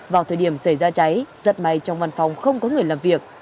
vào thời điểm xảy ra cháy rất may trong văn phòng không có người làm việc